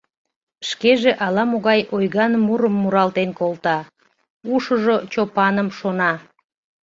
Шкеже ала-могай ойган мурым муралтен колта, ушыжо Чопаным шона.